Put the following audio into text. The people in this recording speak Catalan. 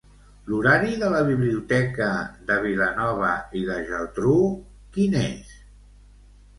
L'horari de la biblioteca de Vilanova i la Geltrú quin és?